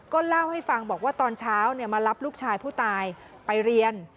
ก็เล่าให้ฟังบอกว่าตอนเช้ามารับลูกชายผู้ตายไปเรียน